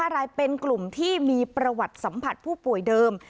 ๕รายเป็นกลุ่มที่มีประวัติสัมผัสผู้ป่วยเดิม